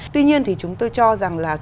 tuy nhiên thì chúng tôi cho rằng là